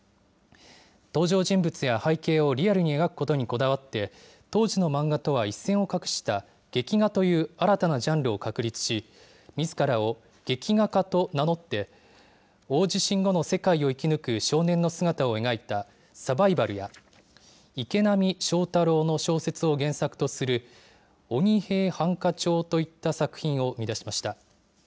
登場人物や背景をリアルに描くことにこだわって、当時の漫画とは一線を画した劇画という新たなジャンルを確立し、みずからを劇画家と名乗って、大地震後の世界を生き抜く少年の姿を描いたサバイバルや、池波正太郎の小説を原作とする鬼平犯科帳といった作品を生み出しました。